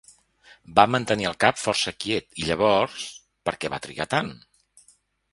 Va mantenir el cap força quiet i llavors... per què va trigar tant?